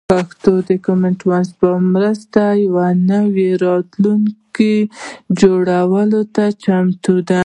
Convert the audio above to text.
پښتو د کامن وایس په مرسته د یو نوي راتلونکي جوړولو ته چمتو ده.